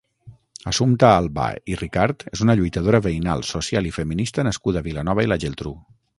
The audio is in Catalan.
Assumpta Albà i Ricart és una lluitadora veïnal, social i feminista nascuda a Vilanova i la Geltrú.